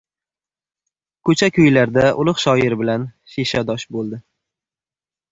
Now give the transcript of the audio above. Ko‘cha-ko‘ylarda ulug‘ shoir bilan shishadosh bo‘ldi.